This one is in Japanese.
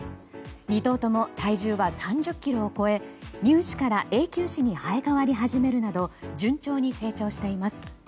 ２頭とも体重は３０ｋｇを超え乳歯から永久歯に生え変わり始めるなど順調に成長しています。